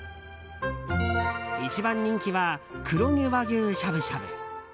一番人気は黒毛和牛しゃぶしゃぶ。